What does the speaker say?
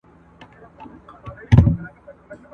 پر خپل ځان باندي تاویږو بس په رسم د پرکار ځو !.